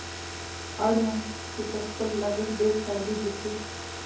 اړ وو چې تر خپل لګښت ډېر تولید وکړي.